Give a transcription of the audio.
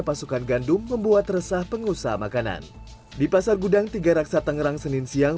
pasukan gandum membuat resah pengusaha makanan di pasar gudang tiga raksa tangerang senin siang